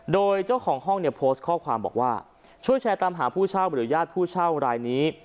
โดยเจ้าของห้องเนี่ยโพสต์ข้อความบอกว่าช่วยแชร์ตามหาผู้เช่าหรือญาติผู้เช่ารายนี้